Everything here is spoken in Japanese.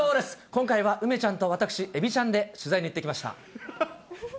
今回は梅ちゃんと私、えびちゃんで取材に行ってきました。